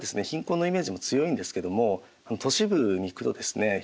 貧困のイメージも強いんですけども都市部に行くとですね